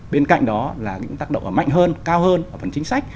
bên cạnh đó là những tác động mạnh hơn cao hơn ở phần chính sách